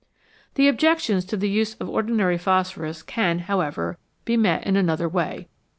The objections to the use of ordinary phosphorus can, however, be met in another way.